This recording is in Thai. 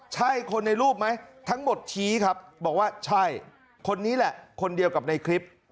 ใช่คนในรูปไหมทั้งหมดชี้ครับบอกว่าใช่คนนี้แหละคนเดียวกับในคลิป